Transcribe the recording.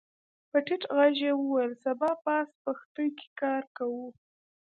په ټيټ غږ يې وويل سبا پاس پښتې کې کار کوو.